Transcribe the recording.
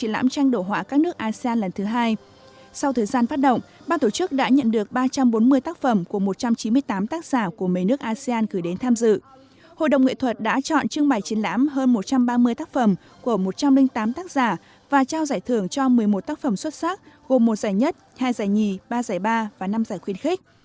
là một trong một mươi tác phẩm của một trăm linh tám tác giả và trao giải thưởng cho một mươi một tác phẩm xuất sắc gồm một giải nhất hai giải nhì ba giải ba và năm giải khuyến khích